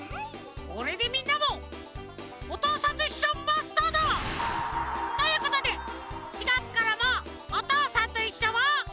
これでみんなも「おとうさんといっしょ」マスターだ！ということで４がつからも「おとうさんといっしょ」を。